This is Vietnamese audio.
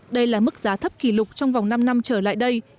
đây là mức giá thấp kỷ lục trong vòng năm năm trở lại đây